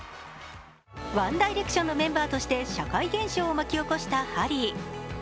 ワン・ダイレクションのメンバーとして社会現象を巻き起こしたハリー。